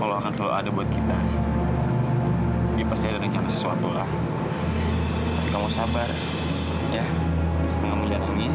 gue gak akan balikin kalung ini karena kalung ini itu beda sama kalung kalung yang lain